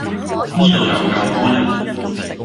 呢度有咁多人